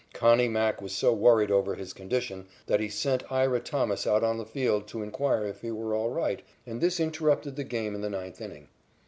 "Connie" Mack was so worried over his condition that he sent Ira Thomas out on the field to inquire if he were all right, and this interrupted the game in the ninth inning.